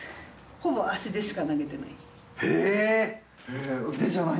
ほぼ足でしか投げてない。